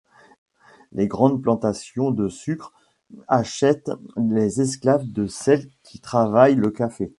Les grandes plantations de sucre achètent les esclaves de celles qui travaillaient le café.